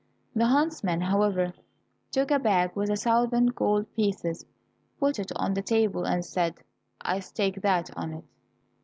The huntsman, however, took a bag with a thousand gold pieces, put it on the table, and said, "I stake that on it."